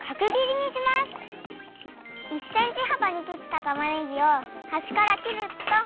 １センチはばに切ったたまねぎをはしから切るっと。